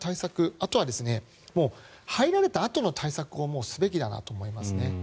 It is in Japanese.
あとは、入られたあとの対策をすべきだなと思いますね。